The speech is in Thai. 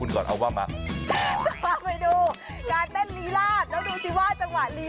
เขาว่าได้อะไรได้อะไร